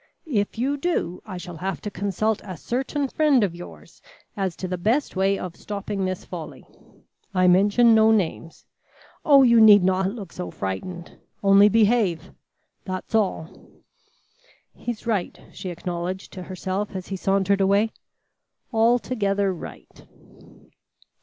If you do, I shall have to consult a certain friend of yours as to the best way of stopping this folly. I mention no names. Oh! you need not look so frightened. Only behave; that's all." "He's right," she acknowledged to herself, as he sauntered away; "altogether right."